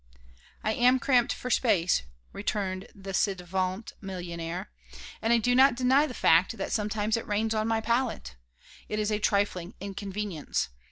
"I am cramped for space," returned the ci devant millionaire; "and I do not deny the fact that sometimes it rains on my pallet. It is a trifling inconvenience.